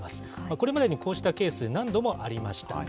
これまでにこうしたケース、何度もありました。